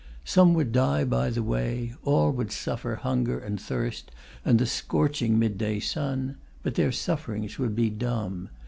Some would die by the way, all would suffer hunger and thirst and the scorching mid day sun, but their sufferings would be dumb.